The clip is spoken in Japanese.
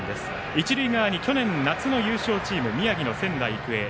一塁側に去年夏の優勝チーム宮城の仙台育英。